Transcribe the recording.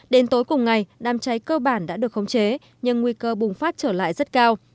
đến tối cùng ngày đám cháy cơ bản đã được khống chế nhưng nguy cơ bùng phát trở lại rất cao